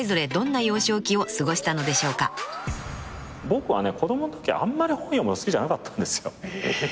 僕は子供のときあんまり本読むの好きじゃなかったんです。